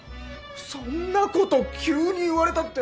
そんなこと急に言われたって。